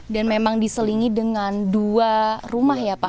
dan memang diselingi dengan dua rumah ya pak